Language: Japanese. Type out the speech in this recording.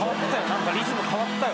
何かリズム変わったよおい。